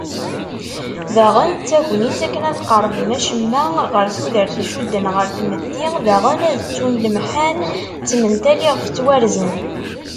Daɣen d tagnit akken ad qerben acemma ɣer tudert icudden ɣer tmetti daɣen ad ttun lemḥan d tmental iɣef ttwarzen.